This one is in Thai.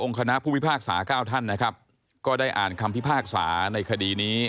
คณะผู้พิพากษาเก้าท่านนะครับก็ได้อ่านคำพิพากษาในคดีนี้